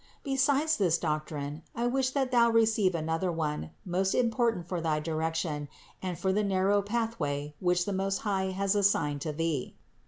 Besides this doctrine, I wish that thou receive another one, most important for thy direction, and for the narrow pathway, which the Most High has assigned to thee.